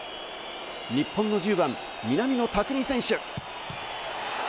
日本の１０番・南野拓実選手。